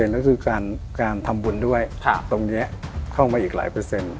ก็คือการทำบุญด้วยตรงนี้เข้ามาอีกหลายเปอร์เซ็นต์